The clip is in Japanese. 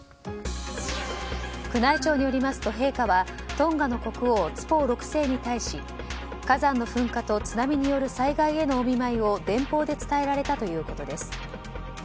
宮内庁によりますと陛下はトンガの国王ツポウ６世に対し火山の噴火と津波による災害のお見舞いを電報で伝えられたということです。